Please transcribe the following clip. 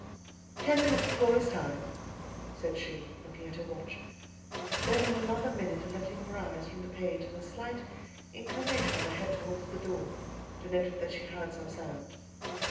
"Ten minutes behind his time," said she, looking at her watch; then, in another minute, a lifting of her eyes from the page, and a slight inclination of her head towards the door, denoted that she heard some sound.